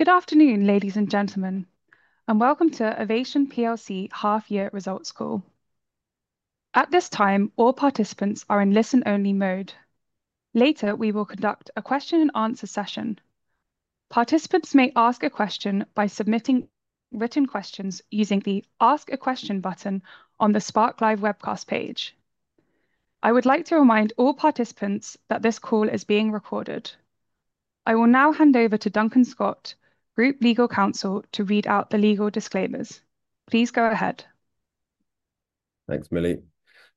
Good afternoon, ladies and gentlemen, and welcome to Avation Half-Year Results Call. At this time, all participants are in listen-only mode. Later, we will conduct a question-and-answer session. Participants may ask a question by submitting written questions using the Ask a Question button on the Spark Live Webcast page. I would like to remind all participants that this call is being recorded. I will now hand over to Duncan Scott, Group Legal Counsel, to read out the legal disclaimers. Please go ahead. Thanks, Millie.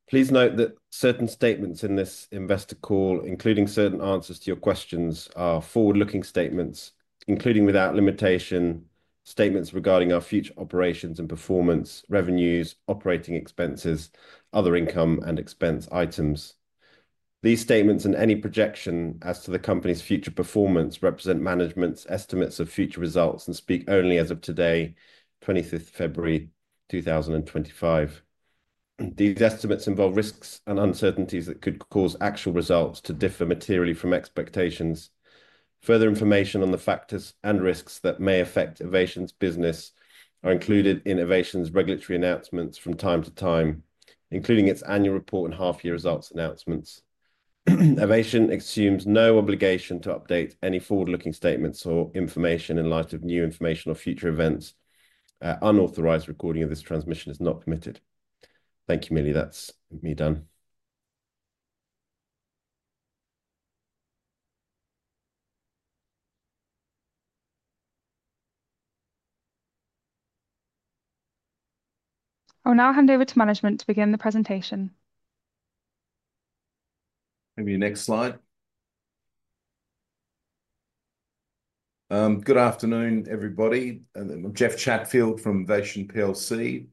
Please note that certain statements in this investor call, including certain answers to your questions, are forward-looking statements, including without limitation statements regarding our future operations and performance, revenues, operating expenses, other income, and expense items. These statements and any projection as to the company's future performance represent management's estimates of future results and speak only as of today, 25th February 2025. These estimates involve risks and uncertainties that could cause actual results to differ materially from expectations. Further information on the factors and risks that may affect Avation's business are included in Avation's regulatory announcements from time to time, including its annual report and half-year results announcements. Avation assumes no obligation to update any forward-looking statements or information in light of new information or future events. Unauthorized recording of this transmission is not permitted. Thank you, Millie. That's me, done. I'll now hand over to management to begin the presentation. Maybe next slide. Good afternoon, everybody. I'm Jeff Chatfield from Avation.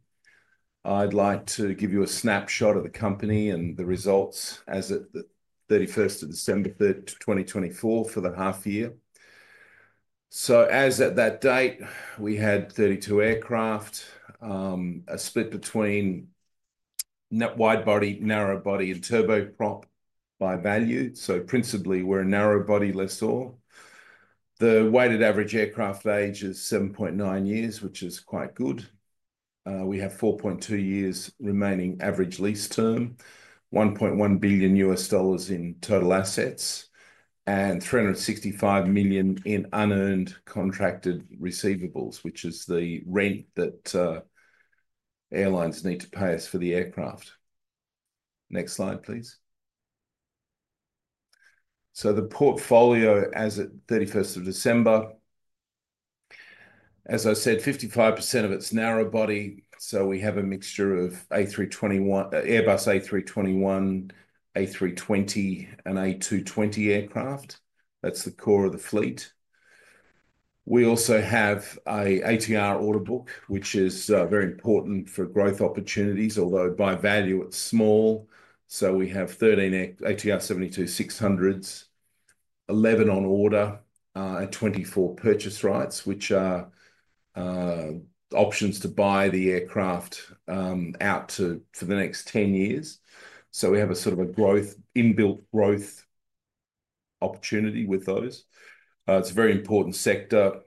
I'd like to give you a snapshot of the company and the results as of the 31st of December 2024, for the half-year. As at that date, we had 32 aircraft, a split between wide body, narrow body, and turboprop by value. Principally, we're a narrow body lessor. The weighted average aircraft age is 7.9 years, which is quite good. We have 4.2 years remaining average lease term, $1.1 billion in total assets, and $365 million in unearned contracted receivables, which is the rent that airlines need to pay us for the aircraft. Next slide, please. The portfolio as of 31st of December, as I said, 55% of it's narrow body. We have a mixture of Airbus A321, A320, and A220 aircraft. That's the core of the fleet. We also have an ATR order book, which is very important for growth opportunities, although by value it's small. We have 13 ATR 72-600s, 11 on order, and 24 purchase rights, which are options to buy the aircraft out for the next 10 years. We have a sort of an inbuilt growth opportunity with those. It's a very important sector.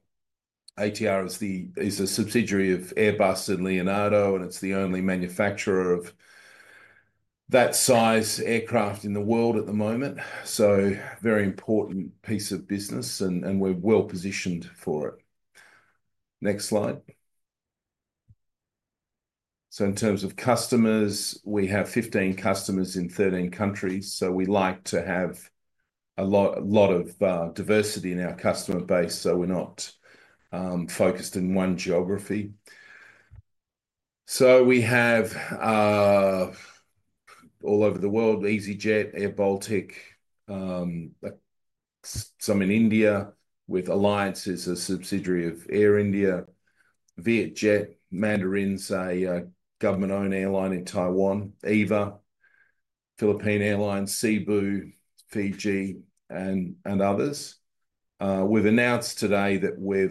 ATR is a subsidiary of Airbus and Leonardo, and it's the only manufacturer of that size aircraft in the world at the moment. Very important piece of business, and we're well positioned for it. Next slide. In terms of customers, we have 15 customers in 13 countries. We like to have a lot of diversity in our customer base, so we're not focused in one geography. We have all over the world: easyJet, airBaltic, some in India with Alliance as a subsidiary of Air India, VietJet, Mandarin, a government-owned airline in Taiwan, EVA, Philippine Airlines, Cebu, Fiji, and others. We've announced today that we're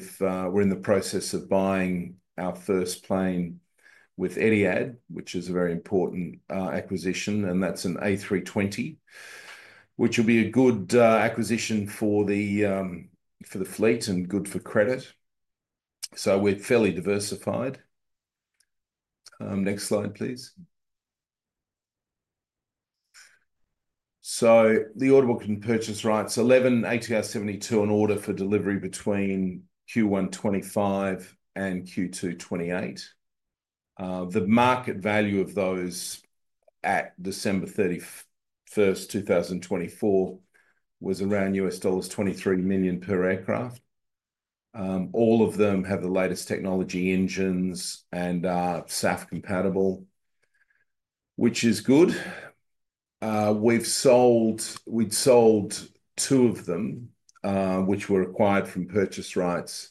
in the process of buying our first plane with Etihad, which is a very important acquisition, and that's an A320, which will be a good acquisition for the fleet and good for credit. We're fairly diversified. Next slide, please. The order book and purchase rights: 11 ATR 72 on order for delivery between Q1 2025 and Q2 2028. The market value of those at December 31st, 2024, was around $23 million per aircraft. All of them have the latest technology engines and are SAF compatible, which is good. We'd sold two of them, which were acquired from purchase rights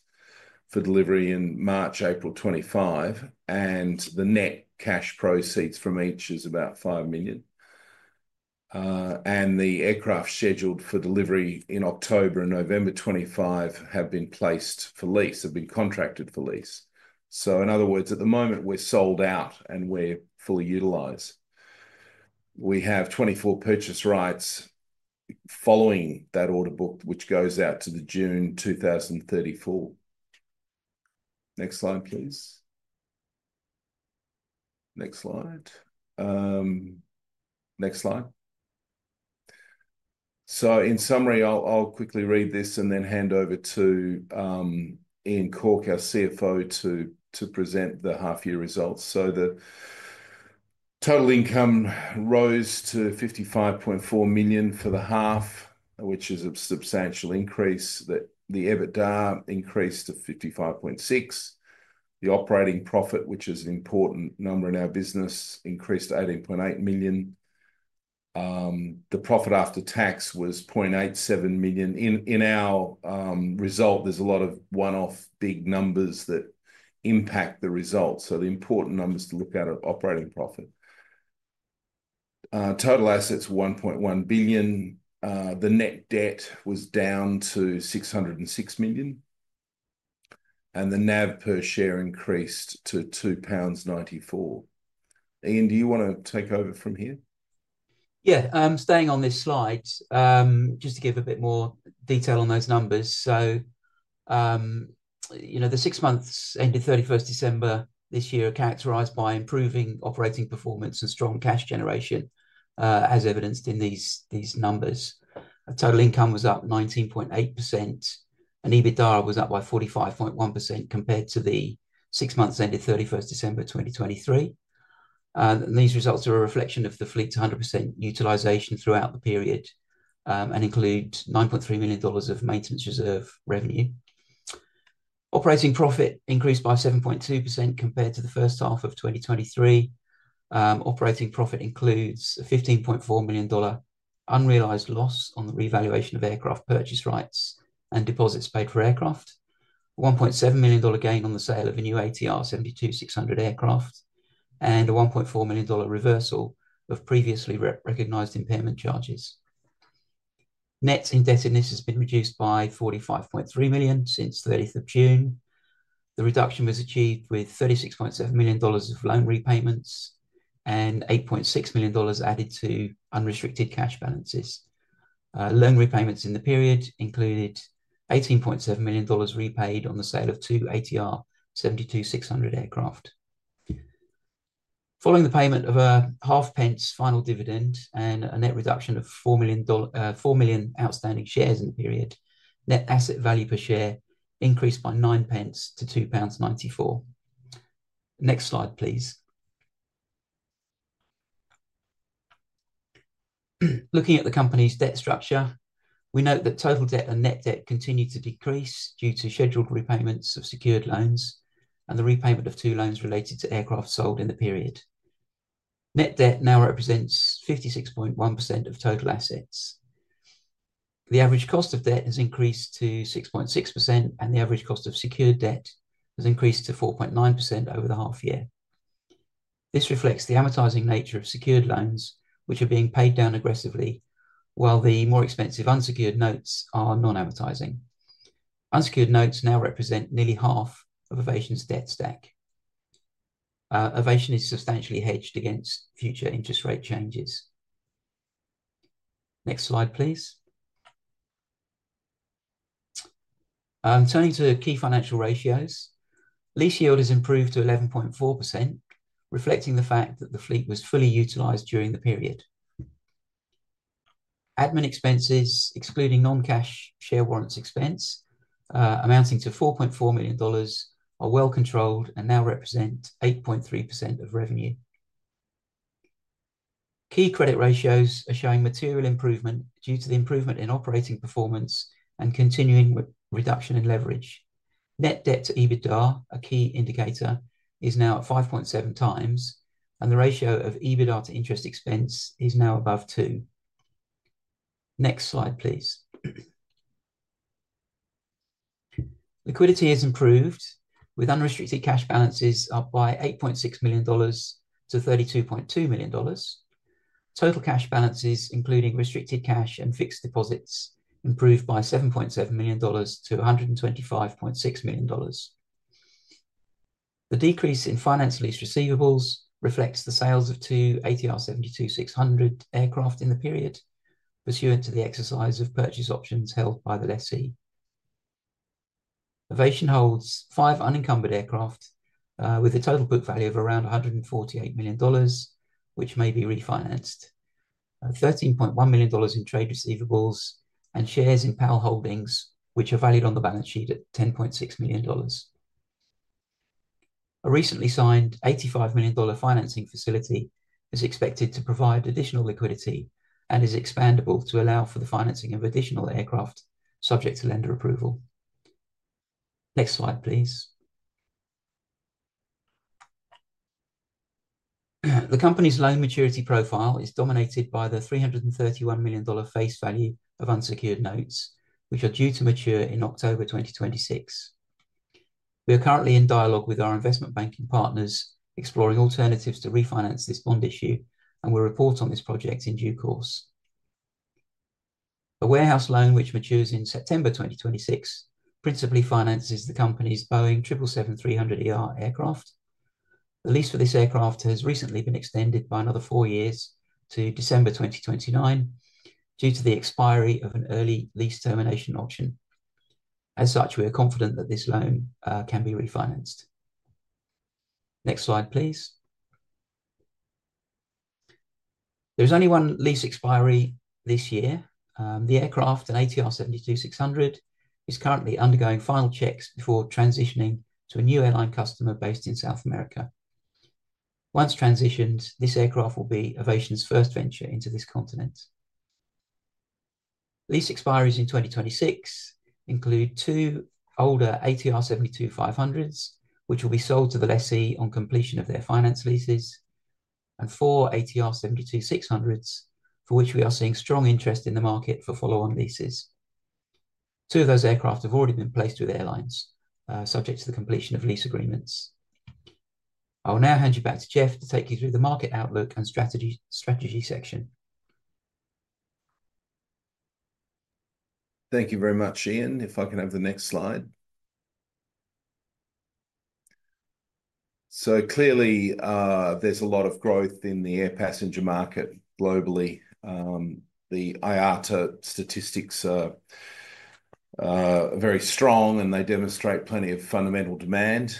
for delivery in March, April 2025, and the net cash proceeds from each is about $5 million. The aircraft scheduled for delivery in October and November 2025 have been placed for lease, have been contracted for lease. In other words, at the moment, we're sold out and we're fully utilized. We have 24 purchase rights following that order book, which goes out to June 2034. Next slide, please. Next slide. Next slide. In summary, I'll quickly read this and then hand over to Iain Cawte, our CFO, to present the half-year results. The total income rose to $55.4 million for the half, which is a substantial increase. The EBITDA increased to $55.6 million. The operating profit, which is an important number in our business, increased to $18.8 million. The profit after tax was $0.87 million. In our result, there's a lot of one-off big numbers that impact the results. The important numbers to look at are operating profit. Total assets $1.1 billion. The net debt was down to $606 million, and the NAV per share increased to 2.94 pounds. Iain, do you want to take over from here? Yeah, staying on this slide just to give a bit more detail on those numbers. You know, the six months ended 31st December this year are characterized by improving operating performance and strong cash generation, as evidenced in these numbers. Total income was up 19.8%, and EBITDA was up by 45.1% compared to the six months ended 31st December 2023. These results are a reflection of the fleet's 100% utilization throughout the period and include $9.3 million of maintenance reserve revenue. Operating profit increased by 7.2% compared to the first half of 2023. Operating profit includes a $15.4 million unrealized loss on the revaluation of aircraft purchase rights and deposits paid for aircraft, a $1.7 million gain on the sale of a new ATR 72-600 aircraft, and a $1.4 million reversal of previously recognized impairment charges. Net indebtedness has been reduced by $45.3 million since 30th of June. The reduction was achieved with $36.7 million of loan repayments and $8.6 million added to unrestricted cash balances. Loan repayments in the period included $18.7 million repaid on the sale of two ATR 72-600 aircraft. Following the payment of a half pence final dividend and a net reduction of 4 million outstanding shares in the period, net asset value per share increased by 9 pence to 2.94 pounds. Next slide, please. Looking at the company's debt structure, we note that total debt and net debt continue to decrease due to scheduled repayments of secured loans and the repayment of two loans related to aircraft sold in the period. Net debt now represents 56.1% of total assets. The average cost of debt has increased to 6.6%, and the average cost of secured debt has increased to 4.9% over the half-year. This reflects the amortizing nature of secured loans, which are being paid down aggressively, while the more expensive unsecured notes are non-amortizing. Unsecured notes now represent nearly half of Avation's debt stack. Avation is substantially hedged against future interest rate changes. Next slide, please. Turning to key financial ratios, lease yield has improved to 11.4%, reflecting the fact that the fleet was fully utilized during the period. Admin expenses, excluding non-cash share warrants expense, amounting to $4.4 million, are well controlled and now represent 8.3% of revenue. Key credit ratios are showing material improvement due to the improvement in operating performance and continuing reduction in leverage. Net debt to EBITDA, a key indicator, is now at 5.7x, and the ratio of EBITDA to interest expense is now above 2. Next slide, please. Liquidity has improved, with unrestricted cash balances up by $8.6 million to $32.2 million. Total cash balances, including restricted cash and fixed deposits, improved by $7.7 million to $125.6 million. The decrease in finance lease receivables reflects the sales of two ATR 72-600 aircraft in the period, pursuant to the exercise of purchase options held by the lessee. Avation holds five unencumbered aircraft with a total book value of around $148 million, which may be refinanced, $13.1 million in trade receivables, and shares in Powell Holdings, which are valued on the balance sheet at $10.6 million. A recently signed $85 million financing facility is expected to provide additional liquidity and is expandable to allow for the financing of additional aircraft subject to lender approval. Next slide, please. The company's loan maturity profile is dominated by the $331 million face value of unsecured notes, which are due to mature in October 2026. We are currently in dialogue with our investment banking partners, exploring alternatives to refinance this bond issue, and we'll report on this project in due course. A warehouse loan, which matures in September 2026, principally finances the company's Boeing 777-300ER aircraft. The lease for this aircraft has recently been extended by another four years to December 2029 due to the expiry of an early lease termination option. As such, we are confident that this loan can be refinanced. Next slide, please. There is only one lease expiry this year. The aircraft, an ATR 72-600, is currently undergoing final checks before transitioning to a new airline customer based in South America. Once transitioned, this aircraft will be Avation's first venture into this continent. Lease expiries in 2026 include two older ATR 72-500s, which will be sold to the lessee on completion of their finance leases, and four ATR 72-600s, for which we are seeing strong interest in the market for follow-on leases. Two of those aircraft have already been placed with airlines, subject to the completion of lease agreements. I'll now hand you back to Jeff to take you through the market outlook and strategy section. Thank you very much, Iain. If I can have the next slide. Clearly, there's a lot of growth in the air passenger market globally. The IATA statistics are very strong, and they demonstrate plenty of fundamental demand.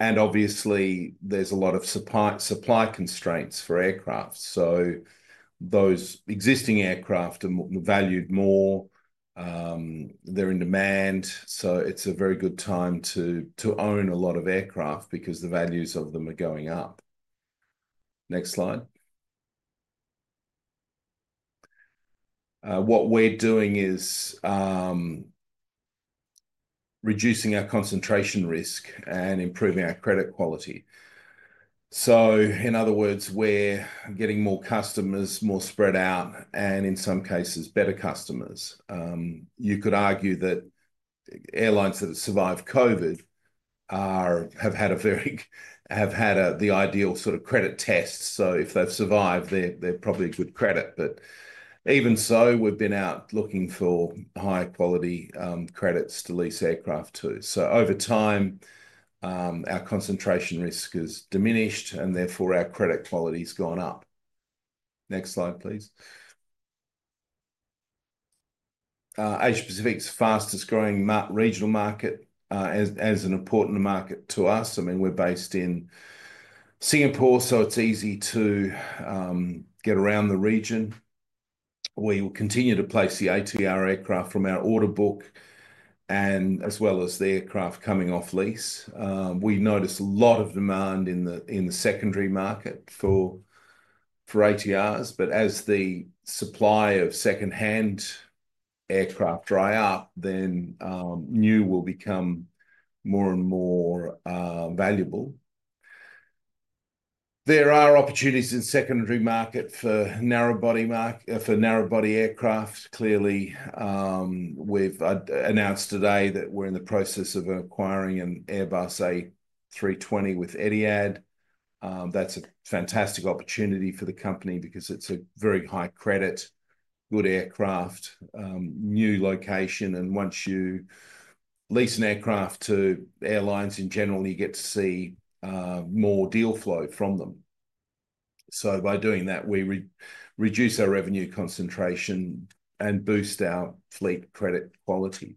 Obviously, there's a lot of supply constraints for aircraft. Those existing aircraft are valued more. They're in demand. It's a very good time to own a lot of aircraft because the values of them are going up. Next slide. What we're doing is reducing our concentration risk and improving our credit quality. In other words, we're getting more customers, more spread out, and in some cases, better customers. You could argue that airlines that have survived COVID have had the ideal sort of credit test. If they've survived, they're probably good credit. Even so, we've been out looking for high-quality credits to lease aircraft to. Over time, our concentration risk has diminished, and therefore, our credit quality has gone up. Next slide, please. Asia Pacific's fastest-growing regional market is an important market to us. I mean, we're based in Singapore, so it's easy to get around the region. We will continue to place the ATR aircraft from our order book as well as the aircraft coming off lease. We notice a lot of demand in the secondary market for ATRs, but as the supply of secondhand aircraft dries up, then new will become more and more valuable. There are opportunities in the secondary market for narrowbody aircraft. Clearly, we've announced today that we're in the process of acquiring an Airbus A320 with Etihad. That's a fantastic opportunity for the company because it's a very high credit, good aircraft, new location. Once you lease an aircraft to airlines in general, you get to see more deal flow from them. By doing that, we reduce our revenue concentration and boost our fleet credit quality.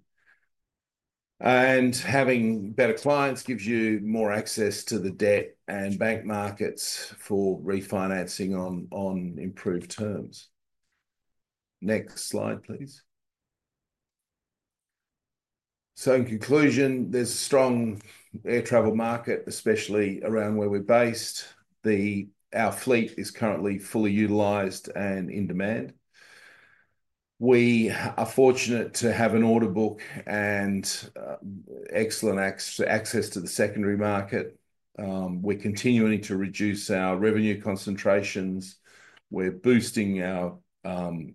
Having better clients gives you more access to the debt and bank markets for refinancing on improved terms. Next slide, please. In conclusion, there is a strong air travel market, especially around where we're based. Our fleet is currently fully utilized and in demand. We are fortunate to have an order book and excellent access to the secondary market. We're continuing to reduce our revenue concentrations. We're boosting our—well,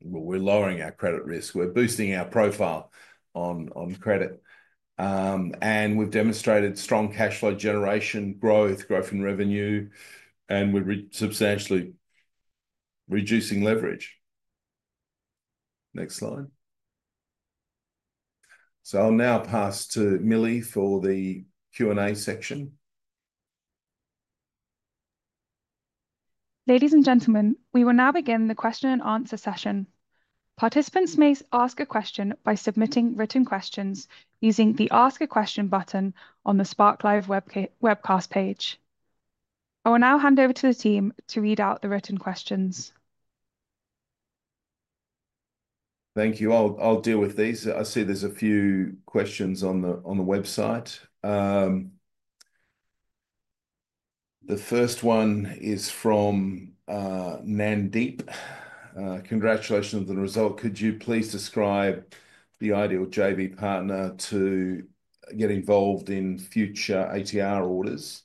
we're lowering our credit risk. We're boosting our profile on credit. We have demonstrated strong cash flow generation, growth, growth in revenue, and we're substantially reducing leverage. Next slide. I'll now pass to Millie for the Q&A section. Ladies and gentlemen, we will now begin the question-and-answer session. Participants may ask a question by submitting written questions using the Ask a Question button on the Spark Live Webcast page. I will now hand over to the team to read out the written questions. Thank you. I'll deal with these. I see there's a few questions on the website. The first one is from Nandip. Congratulations on the result. Could you please describe the ideal JB partner to get involved in future ATR orders?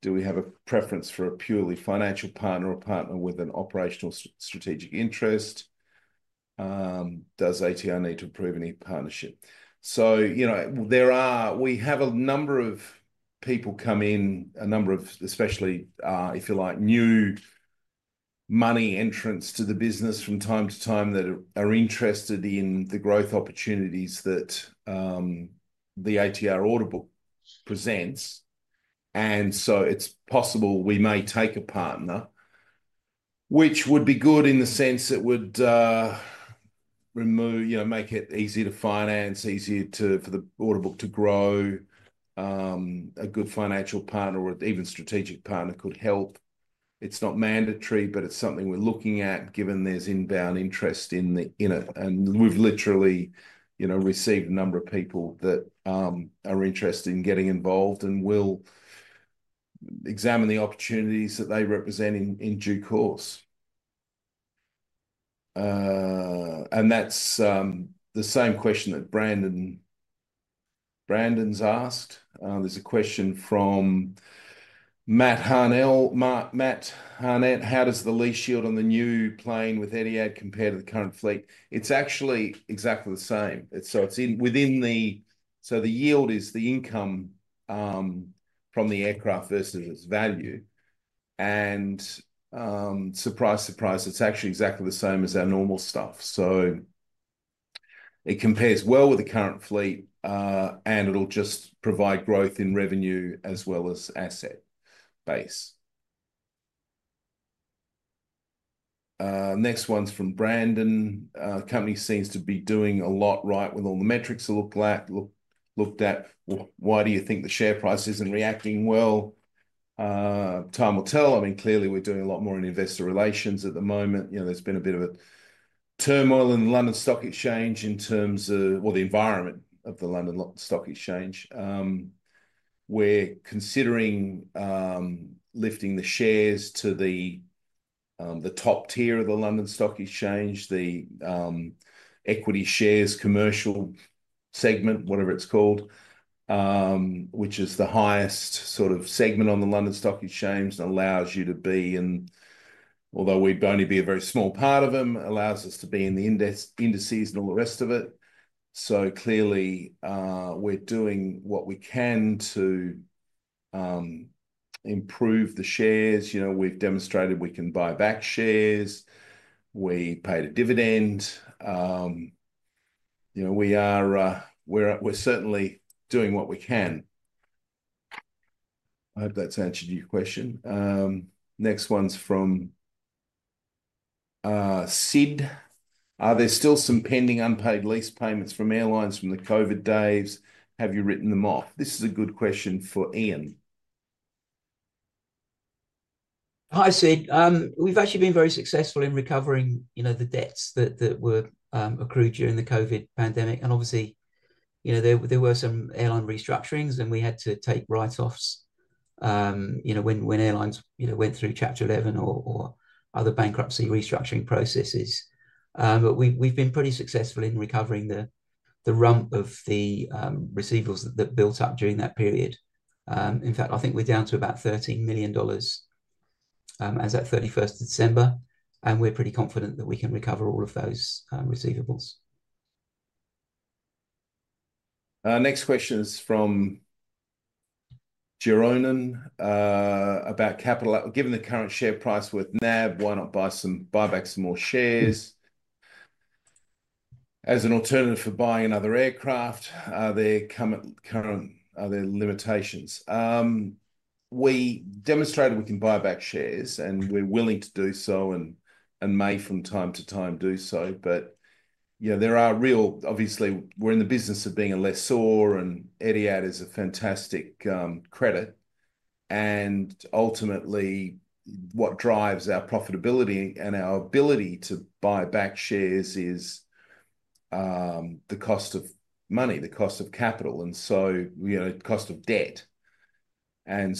Do we have a preference for a purely financial partner or a partner with an operational strategic interest? Does ATR need to approve any partnership? You know, we have a number of people come in, a number of, especially, if you like, new money entrants to the business from time to time that are interested in the growth opportunities that the ATR order book presents. It is possible we may take a partner, which would be good in the sense it would make it easy to finance, easy for the order book to grow. A good financial partner or even strategic partner could help. It's not mandatory, but it's something we're looking at given there's inbound interest in it. We've literally received a number of people that are interested in getting involved and will examine the opportunities that they represent in due course. That's the same question that Brandon's asked. There's a question from Matt Harnett. How does the lease yield on the new plane with Etihad compare to the current fleet? It's actually exactly the same. The yield is the income from the aircraft versus its value. Surprise, surprise, it's actually exactly the same as our normal stuff. It compares well with the current fleet, and it'll just provide growth in revenue as well as asset base. Next one's from Brandon. The company seems to be doing a lot right with all the metrics looked at. Why do you think the share price isn't reacting well? Time will tell. I mean, clearly, we're doing a lot more in investor relations at the moment. You know, there's been a bit of a turmoil in the London Stock Exchange in terms of, well, the environment of the London Stock Exchange. We're considering lifting the shares to the top tier of the London Stock Exchange, the Equity Shares Commercial Segment, whatever it's called, which is the highest sort of segment on the London Stock Exchange and allows you to be in, although we'd only be a very small part of them, allows us to be in the indices and all the rest of it. Clearly, we're doing what we can to improve the shares. You know, we've demonstrated we can buy back shares. We paid a dividend. You know, we're certainly doing what we can. I hope that's answered your question. Next one's from Syd. Are there still some pending unpaid lease payments from airlines from the COVID days? Have you written them off? This is a good question for Iain. Hi, Syd. We've actually been very successful in recovering, you know, the debts that were accrued during the COVID pandemic. Obviously, you know, there were some airline restructurings, and we had to take write-offs, you know, when airlines, you know, went through Chapter 11 or other bankruptcy restructuring processes. We've been pretty successful in recovering the rump of the receivables that built up during that period. In fact, I think we're down to about $13 million as of 31st December, and we're pretty confident that we can recover all of those receivables. Next question is from Jeroen about capital. Given the current share price with NAV, why not buy back some more shares as an alternative for buying another aircraft? Are there current limitations? We demonstrated we can buy back shares, and we're willing to do so and may from time to time do so. You know, there are real—obviously, we're in the business of being a lessor, and Etihad is a fantastic credit. Ultimately, what drives our profitability and our ability to buy back shares is the cost of money, the cost of capital, and, you know, the cost of debt. In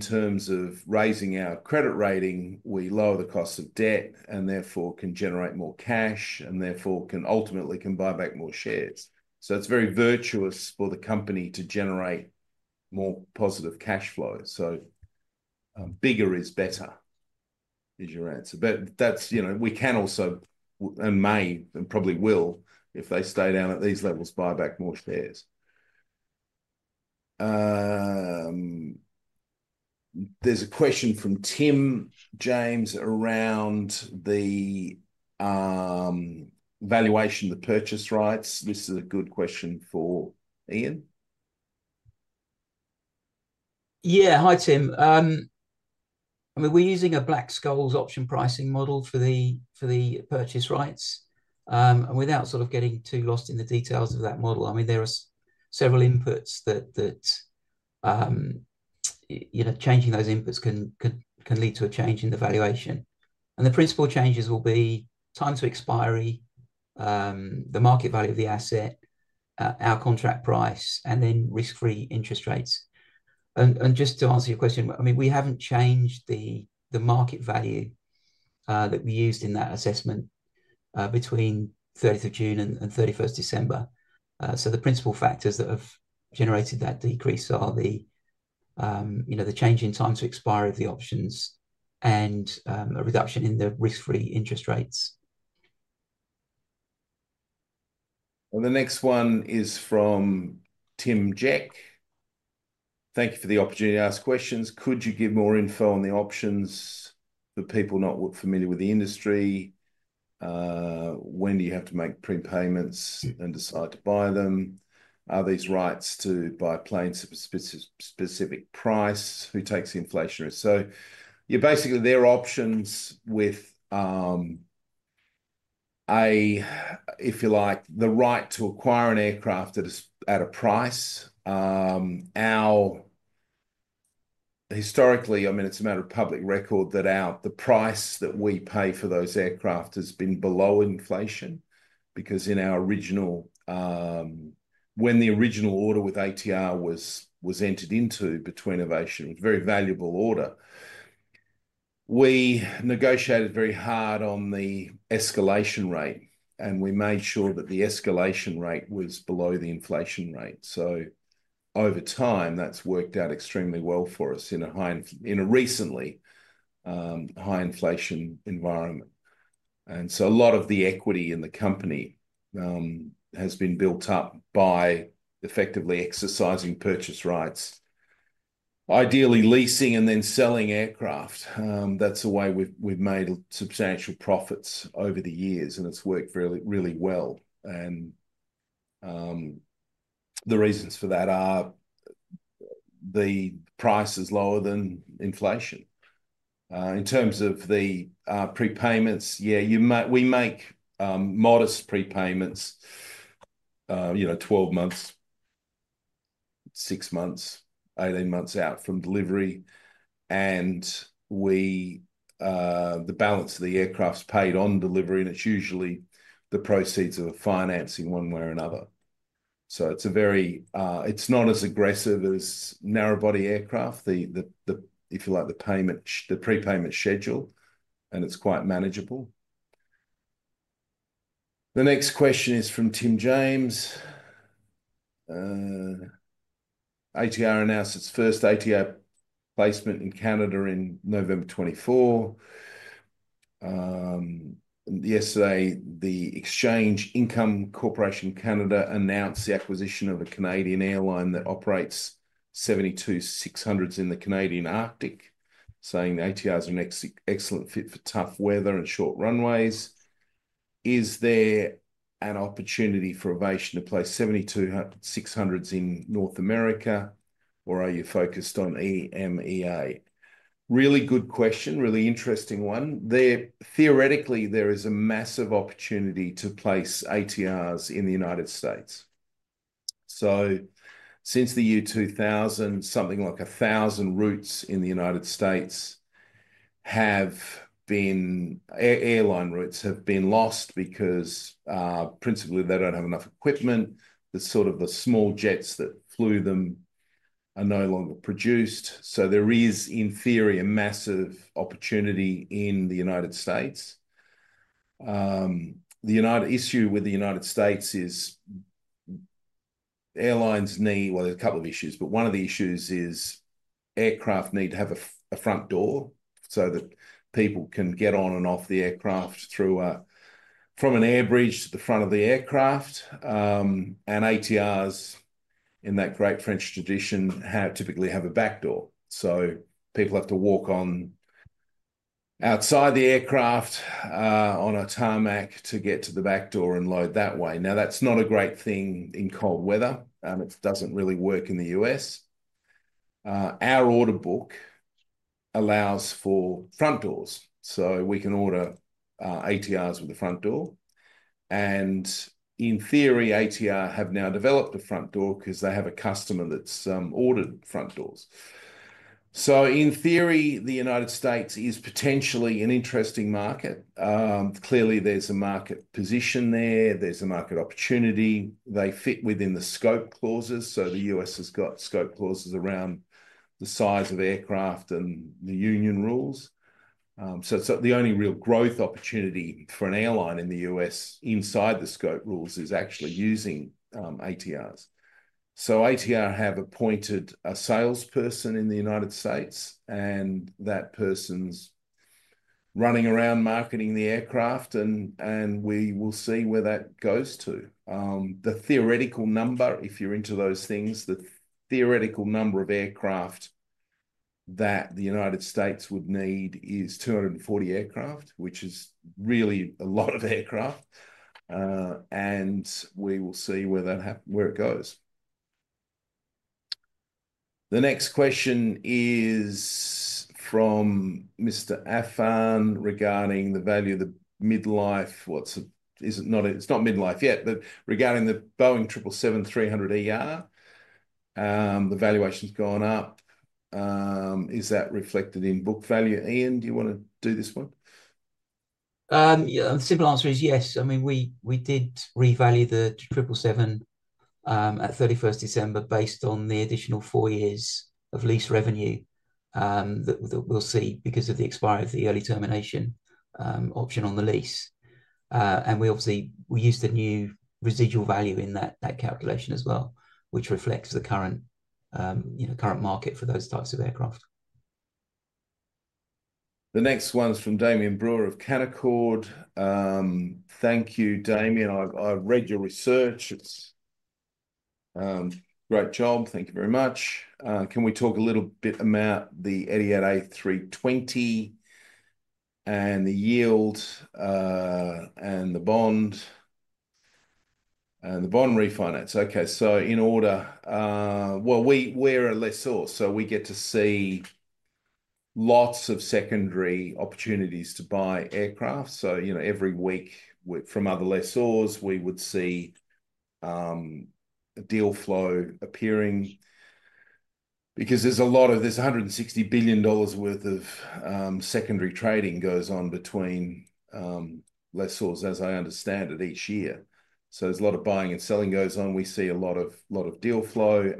terms of raising our credit rating, we lower the cost of debt and therefore can generate more cash and therefore can ultimately buy back more shares. It is very virtuous for the company to generate more positive cash flow. Bigger is better is your answer. That's, you know, we can also and may and probably will, if they stay down at these levels, buy back more shares. There's a question from Tim James around the valuation, the purchase rights. This is a good question for Iain. Yeah. Hi, Tim. I mean, we're using a Black-Scholes option pricing model for the purchase rights. Without sort of getting too lost in the details of that model, I mean, there are several inputs that, you know, changing those inputs can lead to a change in the valuation. The principal changes will be time to expiry, the market value of the asset, our contract price, and then risk-free interest rates. Just to answer your question, I mean, we haven't changed the market value that we used in that assessment between 30th of June and 31st December. The principal factors that have generated that decrease are the, you know, the change in time to expire of the options and a reduction in the risk-free interest rates. The next one is from Tim Jack. Thank you for the opportunity to ask questions. Could you give more info on the options for people not familiar with the industry? When do you have to make prepayments and decide to buy them? Are these rights to buy planes at a specific price? Who takes the inflation risk? You're basically their options with a, if you like, the right to acquire an aircraft at a price. Historically, I mean, it's a matter of public record that the price that we pay for those aircraft has been below inflation because in our original, when the original order with ATR was entered into between Avation, it was a very valuable order. We negotiated very hard on the escalation rate, and we made sure that the escalation rate was below the inflation rate. Over time, that's worked out extremely well for us in a recently high inflation environment. A lot of the equity in the company has been built up by effectively exercising purchase rights, ideally leasing and then selling aircraft. That's a way we've made substantial profits over the years, and it's worked really well. The reasons for that are the price is lower than inflation. In terms of the prepayments, yeah, we make modest prepayments, you know, 12 months, 6 months, 18 months out from delivery. The balance of the aircraft's paid on delivery, and it's usually the proceeds of financing one way or another. It's not as aggressive as narrowbody aircraft, if you like, the prepayment schedule, and it's quite manageable. The next question is from Tim James. ATR announced its first ATR placement in Canada in November 2024. Yesterday, the Exchange Income Corporation Canada announced the acquisition of a Canadian airline that operates ATR 72-600s in the Canadian Arctic, saying the ATRs are an excellent fit for tough weather and short runways. Is there an opportunity for Avation to place ATR 72-600s in North America, or are you focused on EMEA? Really good question, really interesting one. Theoretically, there is a massive opportunity to place ATRs in the United States. Since the year 2000, something like 1,000 routes in the United States have been—airline routes have been lost because principally they do not have enough equipment. The sort of the small jets that flew them are no longer produced. There is, in theory, a massive opportunity in the United States. The issue with the United States is airlines need—well, there's a couple of issues, but one of the issues is aircraft need to have a front door so that people can get on and off the aircraft from an air bridge to the front of the aircraft. ATRs, in that great French tradition, typically have a back door. People have to walk on outside the aircraft on a tarmac to get to the back door and load that way. Now, that's not a great thing in cold weather. It doesn't really work in the U.S. Our order book allows for front doors, so we can order ATRs with a front door. In theory, ATR have now developed a front door because they have a customer that's ordered front doors. In theory, the United States is potentially an interesting market. Clearly, there's a market position there. There's a market opportunity. They fit within the scope clauses. The U.S. has got scope clauses around the size of aircraft and the union rules. It's the only real growth opportunity for an airline in the U.S. inside the scope rules, actually using ATRs. ATR have appointed a salesperson in the United States, and that person's running around marketing the aircraft, and we will see where that goes to. The theoretical number, if you're into those things, the theoretical number of aircraft that the United States would need is 240 aircraft, which is really a lot of aircraft. We will see where that happens, where it goes. The next question is from Mr. Arfan regarding the value of the mid-life. Is it not—it's not mid-life yet, but regarding the Boeing 777-300ER, the valuation's gone up. Is that reflected in book value? Iain, do you want to do this one? Yeah. The simple answer is yes. I mean, we did revalue the 777 at 31st December based on the additional four years of lease revenue that we'll see because of the expiry of the early termination option on the lease. We obviously used the new residual value in that calculation as well, which reflects the current, you know, current market for those types of aircraft. The next one's from Damien Brewer of Canaccord. Thank you, Damien. I've read your research. It's great job. Thank you very much. Can we talk a little bit about the Etihad A320 and the yield and the bond and the bond refinance? Okay. In order, we're a lessor, so we get to see lots of secondary opportunities to buy aircraft. You know, every week from other lessors, we would see a deal flow appearing because there's a lot of—there's $160 billion worth of secondary trading goes on between lessors, as I understand it, each year. There's a lot of buying and selling goes on. We see a lot of deal flow.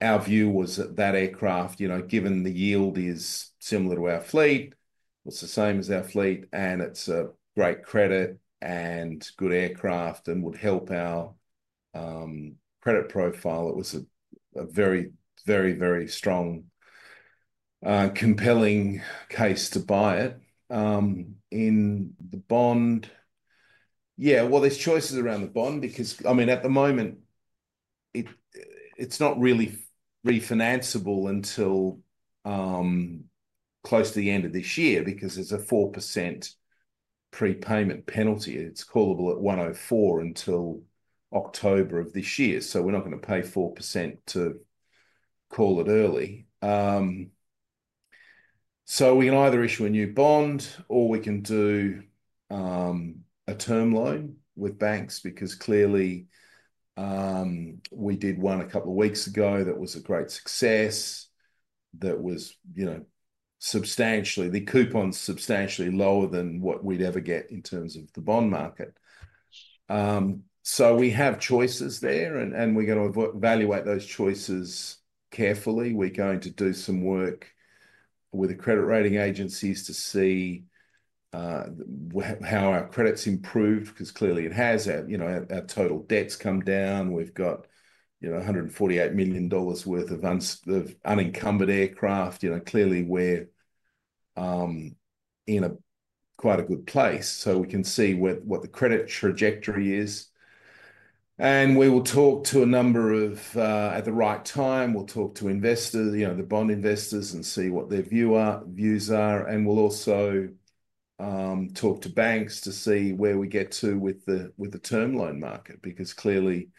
Our view was that that aircraft, you know, given the yield is similar to our fleet, it's the same as our fleet, and it's a great credit and good aircraft and would help our credit profile. It was a very, very, very strong, compelling case to buy it. In the bond, yeah, there are choices around the bond because, I mean, at the moment, it's not really refinanceable until close to the end of this year because there's a 4% prepayment penalty. It's callable at 104% until October of this year. We're not going to pay 4% to call it early. We can either issue a new bond or we can do a term loan with banks because clearly we did one a couple of weeks ago that was a great success that was, you know, substantially—the coupon's substantially lower than what we'd ever get in terms of the bond market. We have choices there, and we're going to evaluate those choices carefully. We're going to do some work with the credit rating agencies to see how our credits improve because clearly it has our total debts come down. We've got, you know, $148 million worth of unencumbered aircraft, you know, clearly we're in quite a good place. We can see what the credit trajectory is. We will talk to a number of—at the right time, we'll talk to investors, you know, the bond investors, and see what their views are. We will also talk to banks to see where we get to with the term loan market because clearly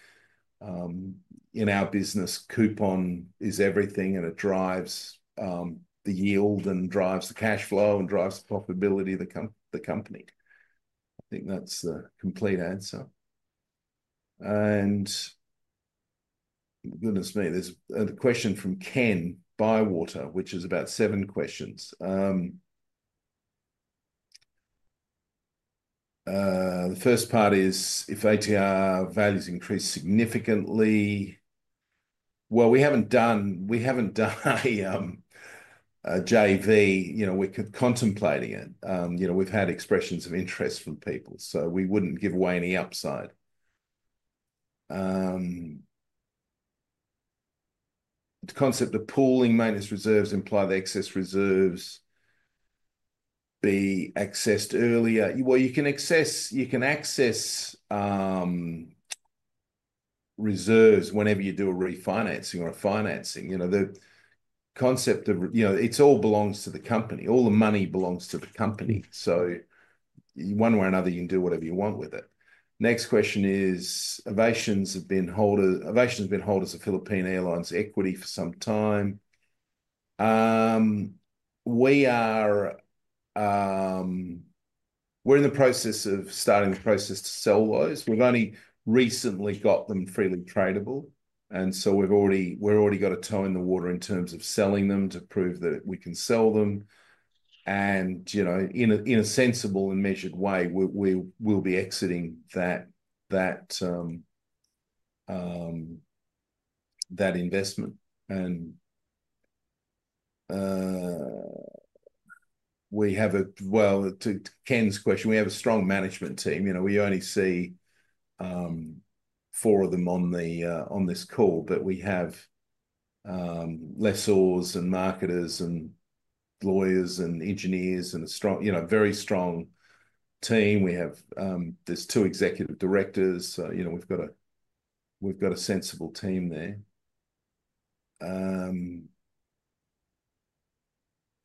in our business, coupon is everything, and it drives the yield and drives the cash flow and drives the profitability of the company. I think that's the complete answer. Goodness me, there's a question from Ken Bywater, which is about seven questions. The first part is if ATR values increase significantly. We haven't done a JV, you know, we're contemplating it. You know, we've had expressions of interest from people, so we wouldn't give away any upside. The concept of pooling maintenance reserves implies the excess reserves be accessed earlier. You can access reserves whenever you do a refinancing or a financing. You know, the concept of, you know, it all belongs to the company. All the money belongs to the company. One way or another, you can do whatever you want with it. Next question is, Avation has been holders of Philippine Airlines' equity for some time. We're in the process of starting the process to sell those. We've only recently got them freely tradable. We've already got a toe in the water in terms of selling them to prove that we can sell them. You know, in a sensible and measured way, we will be exiting that investment. To Ken's question, we have a strong management team. You know, we only see four of them on this call, but we have lessors and marketers and lawyers and engineers and a strong, you know, very strong team. There are two executive directors. You know, we've got a sensible team there.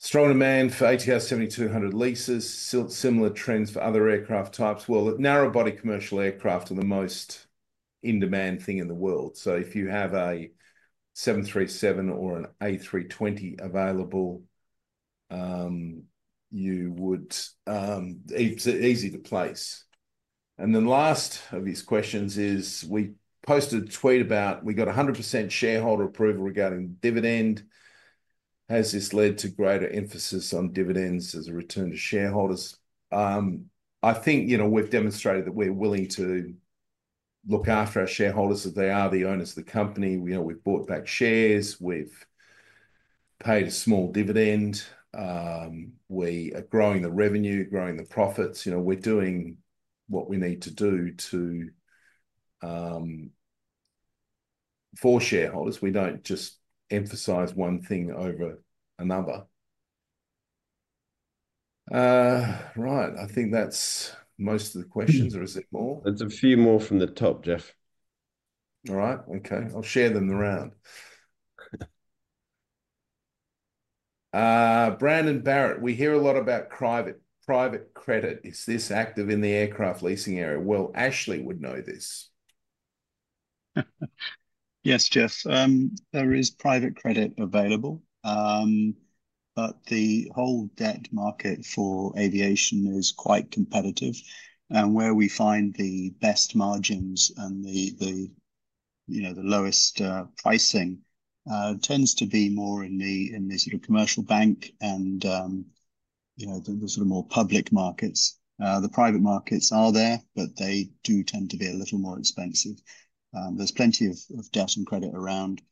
Strong demand for ATR 72-600 leases, similar trends for other aircraft types. Narrowbody commercial aircraft are the most in-demand thing in the world. If you have a 737 or an A320 available, you would—easy to place. The last of these questions is, we posted a tweet about we got 100% shareholder approval regarding dividend. Has this led to greater emphasis on dividends as a return to shareholders? I think, you know, we've demonstrated that we're willing to look after our shareholders if they are the owners of the company. You know, we've bought back shares. We've paid a small dividend. We are growing the revenue, growing the profits. You know, we're doing what we need to do for shareholders. We do not just emphasize one thing over another. Right. I think that's most of the questions. Is it more? There's a few more from the top, Jeff. All right. Okay. I'll share them around. Brandon Barrett, we hear a lot about private credit. Is this active in the aircraft leasing area? Ashley would know this. Yes, Jeff. There is private credit available, but the whole debt market for aviation is quite competitive. Where we find the best margins and the, you know, the lowest pricing tends to be more in the sort of commercial bank and, you know, the sort of more public markets. The private markets are there, but they do tend to be a little more expensive. There is plenty of debt and credit around.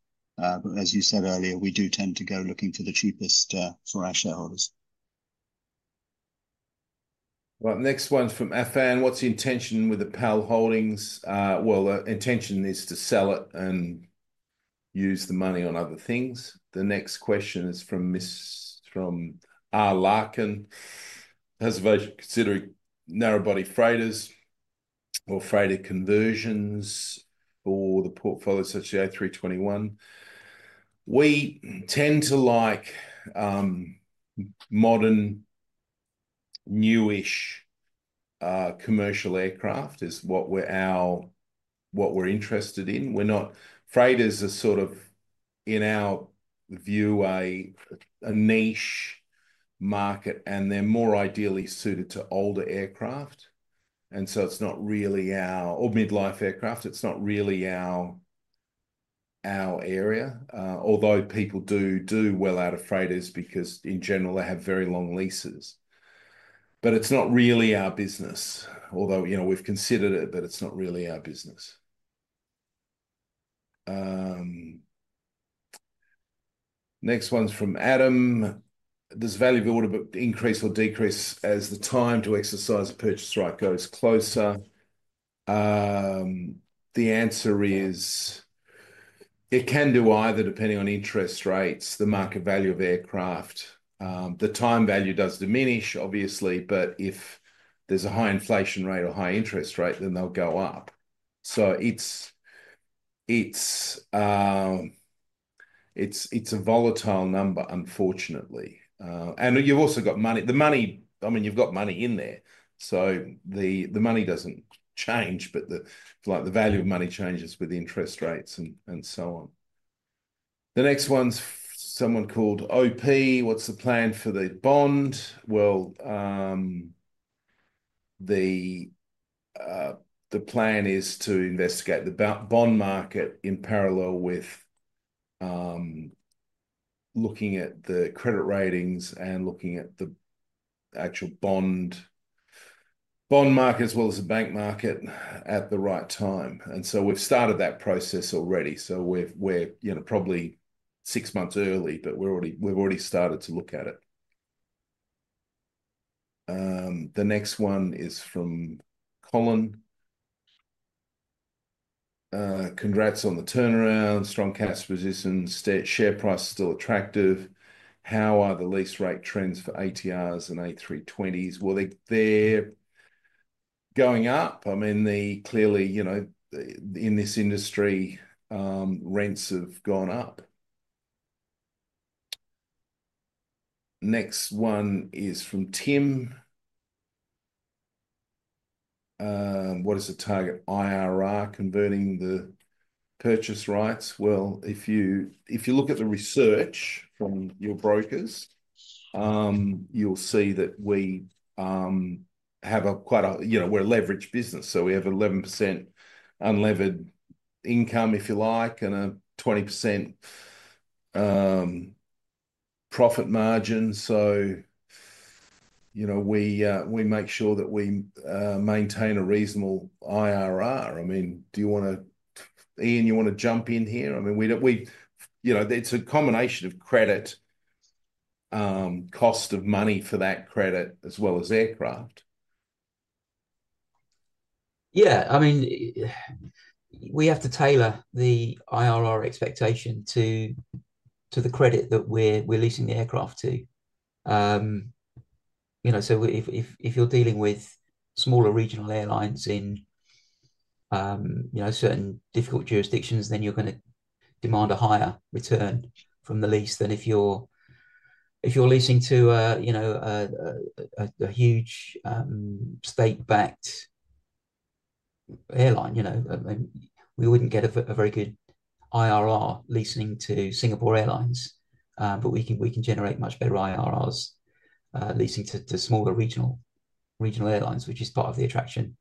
As you said earlier, we do tend to go looking for the cheapest for our shareholders. Right. Next one's from Arfan. What's the intention with the Powell Holdings? The intention is to sell it and use the money on other things. The next question is from Mr. R. Larkin. Has Avation considered narrowbody freighters or freighter conversions or the portfolio such as the A321? We tend to like modern, newish commercial aircraft is what we're interested in. Freighters are sort of, in our view, a niche market, and they're more ideally suited to older aircraft. It's not really our—or mid-life aircraft. It's not really our area, although people do well out of freighters because, in general, they have very long leases. It's not really our business. Although, you know, we've considered it, it's not really our business. Next one's from Adam. Does value of order increase or decrease as the time to exercise purchase right goes closer? The answer is it can do either, depending on interest rates, the market value of aircraft. The time value does diminish, obviously, but if there's a high inflation rate or high interest rate, then they'll go up. It is a volatile number, unfortunately. And you've also got money. The money—I mean, you've got money in there. The money doesn't change, but the value of money changes with interest rates and so on. The next one's someone called OP. What's the plan for the bond? The plan is to investigate the bond market in parallel with looking at the credit ratings and looking at the actual bond market as well as the bank market at the right time. We've started that process already. We're, you know, probably six months early, but we've already started to look at it. The next one is from Colin. Congrats on the turnaround. Strong cash positions. Share price still attractive. How are the lease rate trends for ATRs and A320s? They are going up. I mean, clearly, you know, in this industry, rents have gone up. Next one is from Tim. What is the target IRR converting the purchase rights? If you look at the research from your brokers, you will see that we have quite a—you know, we are a leveraged business. We have 11% unlevered income, if you like, and a 20% profit margin. You know, we make sure that we maintain a reasonable IRR. I mean, do you want to—Iain, you want to jump in here? I mean, you know, it is a combination of credit, cost of money for that credit, as well as aircraft. Yeah. I mean, we have to tailor the IRR expectation to the credit that we're leasing the aircraft to. You know, so if you're dealing with smaller regional airlines in, you know, certain difficult jurisdictions, then you're going to demand a higher return from the lease than if you're leasing to, you know, a huge state-backed airline. You know, we wouldn't get a very good IRR leasing to Singapore Airlines, but we can generate much better IRRs leasing to smaller regional airlines, which is part of the attraction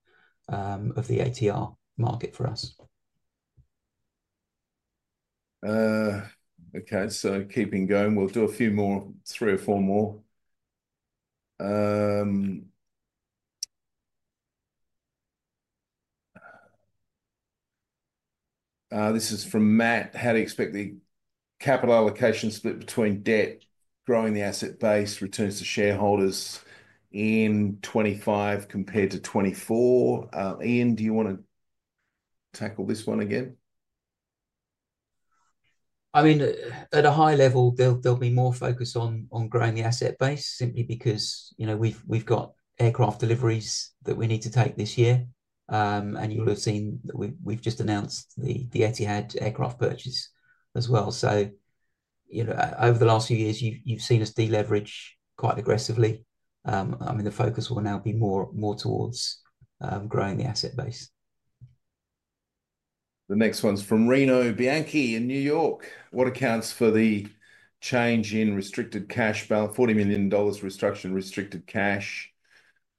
of the ATR market for us. Okay. Keeping going. We'll do a few more, three or four more. This is from Matt. How to expect the capital allocation split between debt, growing the asset base, returns to shareholders in 2025 compared to 2024. Iain, do you want to tackle this one again? I mean, at a high level, there'll be more focus on growing the asset base simply because, you know, we've got aircraft deliveries that we need to take this year. You know, you'll have seen that we've just announced the Etihad aircraft purchase as well. You know, over the last few years, you've seen us deleverage quite aggressively. I mean, the focus will now be more towards growing the asset base. The next one's from Reno Bianchi in New York. What accounts for the change in restricted cash balance? $40 million restricted cash,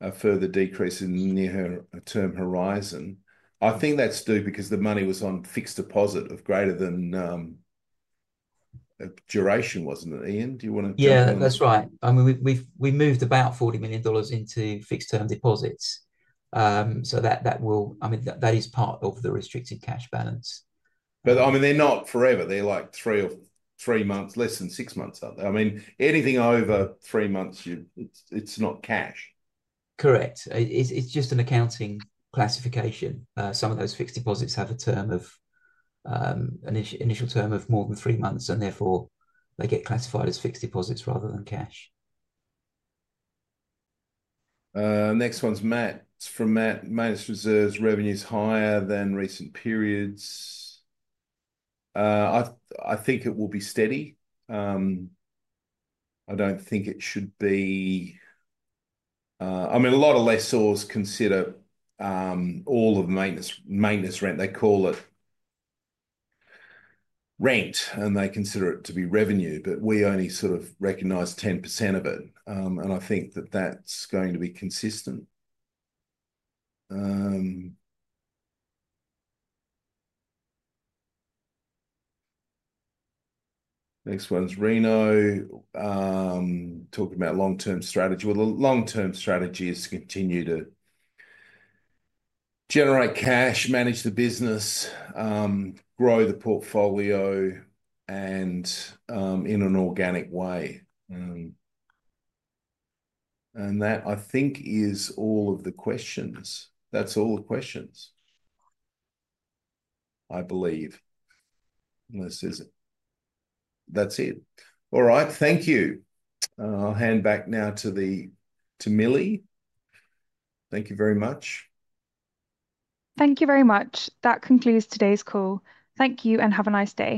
a further decrease in the near-term horizon. I think that's due because the money was on fixed deposit of greater than duration, wasn't it, Iain? Do you want to jump in? Yeah, that's right. I mean, we moved about $40 million into fixed-term deposits. That is part of the restricted cash balance. I mean, they're not forever. They're like three months, less than six months, aren't they? I mean, anything over three months, it's not cash. Correct. It's just an accounting classification. Some of those fixed deposits have an initial term of more than three months, and therefore they get classified as fixed deposits rather than cash. Next one's Matt. It's from Matt. Maintenance reserves, revenues higher than recent periods. I think it will be steady. I don't think it should be—I mean, a lot of lessors consider all of maintenance rent. They call it rent, and they consider it to be revenue, but we only sort of recognize 10% of it. I think that that's going to be consistent. Next one's Reno. Talking about long-term strategy. The long-term strategy is to continue to generate cash, manage the business, grow the portfolio, and in an organic way. That, I think, is all of the questions. That's all the questions, I believe. That's it. All right. Thank you. I'll hand back now to Millie. Thank you very much. Thank you very much. That concludes today's call. Thank you and have a nice day.